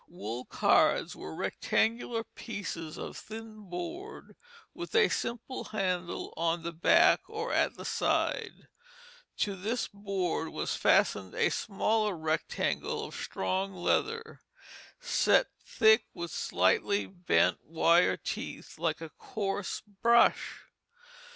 Wool cards were rectangular pieces of thin board, with a simple handle on the back or at the side; to this board was fastened a smaller rectangle of strong leather, set thick with slightly bent wire teeth, like a coarse brush.